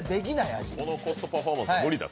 このコストパフォーマンスは無理だと。